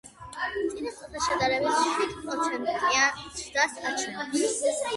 წინა წელთან შედარებით შვიდპროცენტიან ზრდას აჩვენებს.